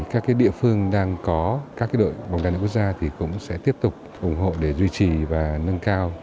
các địa phương đang có các đội bóng đá nữ quốc gia thì cũng sẽ tiếp tục ủng hộ để duy trì và nâng cao